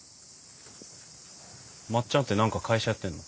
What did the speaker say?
まっちゃんって何か会社やってんの？